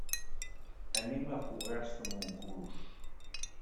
Anem a Fogars de Montclús.